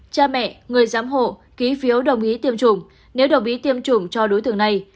cha mẹ người giám hộ ký phiếu đồng ý tiêm chủng nếu đồng ý tiêm chủng cho đối tượng này